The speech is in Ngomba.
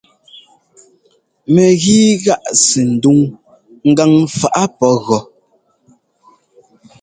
Mɛgíi gáꞌ sɛndúŋ gaŋfaꞌ pɔ́ gɔ́.